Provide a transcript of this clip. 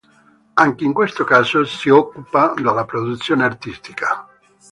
Anche in questo caso si occupa della produzione artistica.